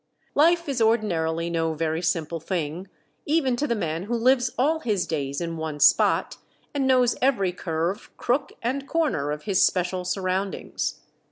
Life is ordinarily no very simple thing, even to the man who lives all his days in one spot, and knows every curve, crook, and corner of his special surroundings.